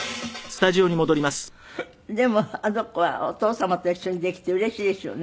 でもあの子はお父様と一緒にできてうれしいでしょうね。